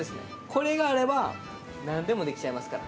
これがあればなんでもできちゃいますから。